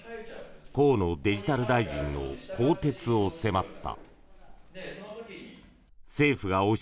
河野デジタル大臣の更迭を迫った。